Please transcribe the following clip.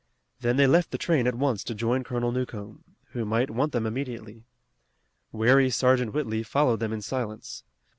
Then they left the train at once to join Colonel Newcomb, who might want them immediately. Wary Sergeant Whitley followed them in silence.